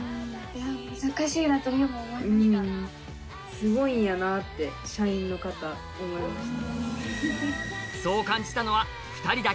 すごいんやなぁって社員の方って思いました。